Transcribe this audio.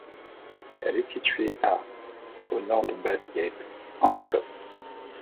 Elle est située à au nord de Bathgate en Écosse.